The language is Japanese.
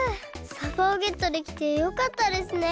さばをゲットできてよかったですね。